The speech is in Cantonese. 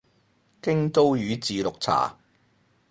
京都宇治綠茶